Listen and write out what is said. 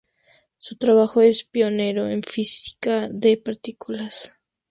Su trabajo es pionero en física de partículas.